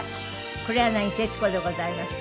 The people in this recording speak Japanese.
黒柳徹子でございます。